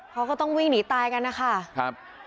เขาก็ต้องวิ่งหนีตายกันนะคะครับ